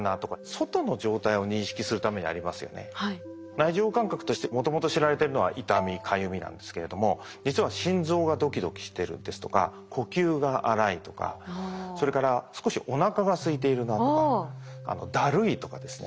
内受容感覚としてもともと知られてるのは痛みかゆみなんですけれども実は心臓がドキドキしてるですとか呼吸が荒いとかそれから少しおなかがすいているなとかだるいとかですね